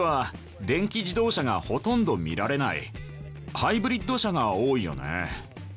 ハイブリッド車が多いよね。